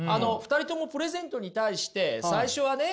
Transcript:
２人ともプレゼントに対して最初はね